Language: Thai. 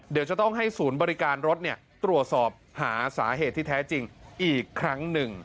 เดี๋ยวจะต้องให้ศูนย์บริการรถตรวจสอบหาสาเหตุที่แท้จริงอีกครั้งหนึ่ง